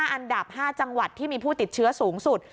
อันดับ๕จังหวัดที่มีผู้ติดเชื้อสูงสุด